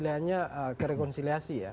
hanya kerekonsiliasi ya